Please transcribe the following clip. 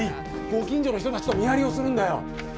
ご近所の人たちと見張りをするんだよ。